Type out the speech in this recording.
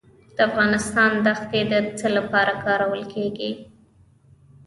د افغانستان دښتې د څه لپاره کارول کیږي؟